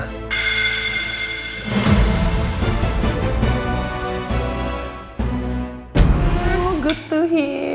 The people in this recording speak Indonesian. oh bagus juga